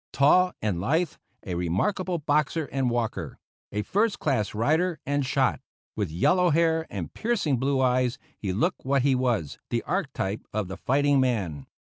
Tall and lithe, a remarkable boxer and walker, a first class rider and shot, with yellow hair and piercing blue eyes, he looked what he was, the archetype of the fighting man.